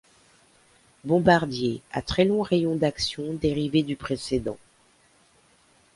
Bombardier à très long rayon d’action dérivé du précédent.